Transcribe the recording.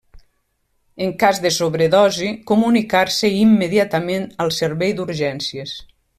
En cas de sobredosi comunicar-se immediatament al servei d'urgències.